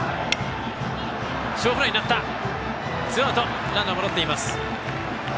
ツーアウト、ランナー戻ってます。